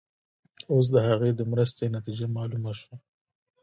اوس د هغې مرستې نتیجه معلومه شوه.